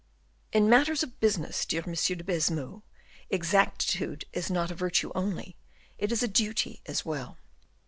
"In matters of business, dear M. de Baisemeaux, exactitude is not a virtue only, it is a duty as well."